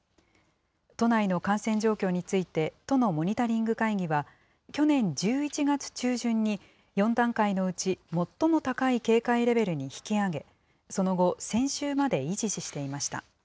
都内の感染状況について、都のモニタリング会議は、去年１１月中旬に、４段階のうち最も高い警戒レベルに引き上げ、その後、先週まで維持していました。